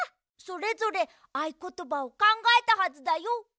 それぞれあいことばをかんがえたはずだよ。